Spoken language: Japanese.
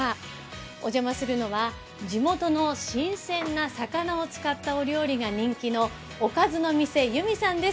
お邪魔するのは地元の新鮮な魚を使った料理が人気の、おかずの店祐美さんです。